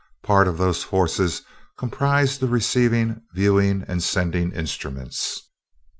Part of those forces comprise the receiving, viewing, and sending instruments.